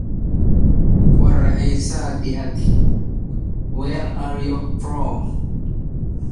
إياك أن تُرَى لدى الخطابِ مُلتفتا أو مبديَ اضْطِرابِ